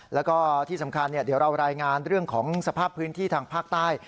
แล้วก็ที่สำคัญเดี๋ยวเรารายงานเรื่องของสภาพพื้นที่ทางภาคใต้